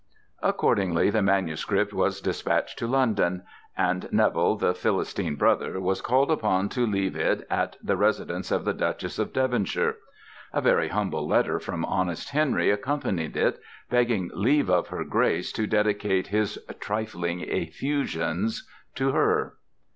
Accordingly the manuscript was despatched to London, and Neville, the philistine brother, was called upon to leave it at the residence of the Duchess of Devonshire. A very humble letter from honest Henry accompanied it, begging leave of her Grace to dedicate his "trifling effusions" to her.